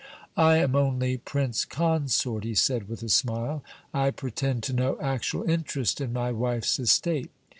"I am only prince consort," he said, with a smile. "I pretend to no actual interest in my wife's estate.